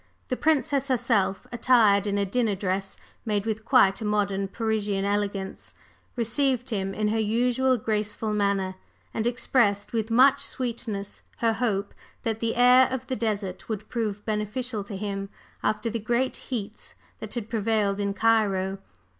The Princess herself, attired in a dinner dress made with quite a modern Parisian elegance, received him in her usual graceful manner, and expressed with much sweetness her hope that the air of the desert would prove beneficial to him after the great heats that had prevailed in Cairo.